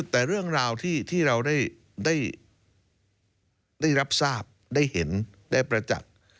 แต่เรื่องราวที่เราได้รับทราบได้เห็นได้ประจักษ์